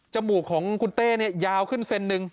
มูกของคุณเต้เนี่ยยาวขึ้นเซนหนึ่ง